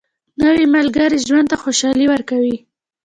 نوې ملګرې ژوند ته خوشالي ورکوي